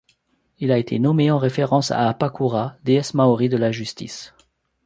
Il a été nommé en référence à Apakura, déesse maori de la justice.